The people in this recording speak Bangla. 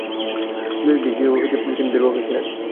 দৈহিক দিক দিয়েও তিনি দীর্ঘকায় ছিলেন।